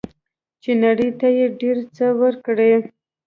چې نړۍ ته یې ډیر څه ورکړي.